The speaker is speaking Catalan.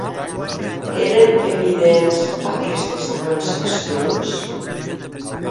Eren evidents aquestes transaccions?